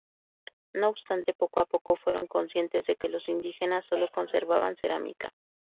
No obstante, poco a poco fueron conscientes de que los indígenas sólo conservaban cerámica.